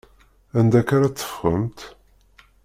Anda akka ara teffɣemt?